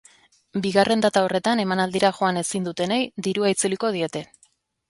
Bigarren data horretan emanaldira joan ezin dutenei dirua itzuliko diete.